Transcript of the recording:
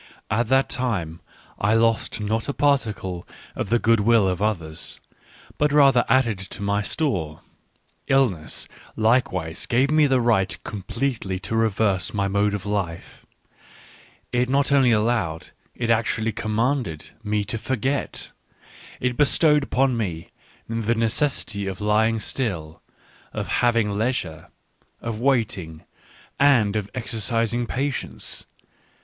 At that time I lost not a particle of the good will of others, but rather added to my store. Illness likewise gave me the right completely to reverse my mode of life ; it not only allowed, it actually commanded, me to forget ; it bestowed upon me the necessity of lying still, of having leisure, of waiting, and of exercising patience.